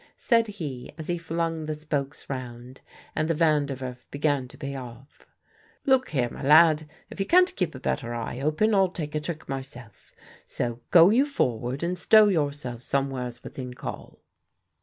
Said he, as he flung the spokes round, and the Van der Werf began to pay off: "Look here, my lad, if you can't keep a better eye open, I'll take a trick myself. So go you forward and stow yourself somewheres within call."